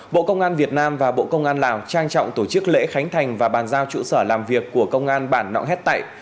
bộ công an việt nam và bộ công an lào trang trọng tổ chức lễ khánh thành và bàn giao trụ sở làm việc của công an bản nọng hét tại